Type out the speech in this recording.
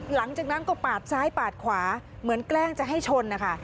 หลังจากนั้นก็ปาดซ้ายปาดขวาเหมือนแกล้งจะให้ชนนะคะ